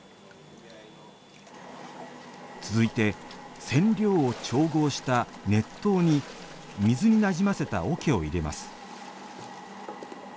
つづいて染料を調合した熱湯に水になじませた桶をいれます。